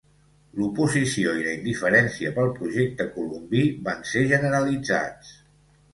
L'oposició i la indiferència pel projecte colombí van ser generalitzats.